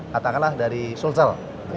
katakanlah dari sulcel